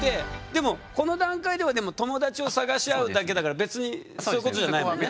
でもこの段階では友達を探し合うだけだから別にそういうことじゃないもんね。